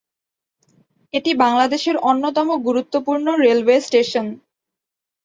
এটি বাংলাদেশের অন্যতম গুরুত্বপূর্ণ রেলওয়ে স্টেশন।